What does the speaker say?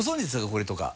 これとか。